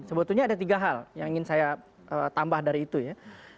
sebetulnya ada tiga hal yang ingin saya tambah dari itu ya